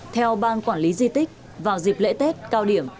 theo ban quản lý di tích vào dịp lễ tết cao điểm